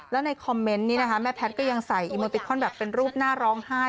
แล้วในคอมเมนต์นี้นะคะแม่แพทย์ก็ยังใส่อีโมติคอนแบบเป็นรูปหน้าร้องไห้